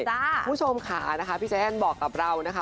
คุณผู้ชมค่ะนะคะพี่ใจแอ้นบอกกับเรานะคะ